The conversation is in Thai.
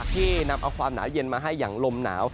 ที่นำเอาความหนาวเย็นมาให้อย่างลมหนาว